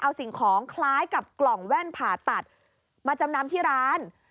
เอาสิ่งของคล้ายกับกล่องแว่นผ่าตัดมาจำนำที่ร้าน